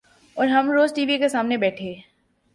اور ہم روز ٹی وی کے سامنے بیٹھے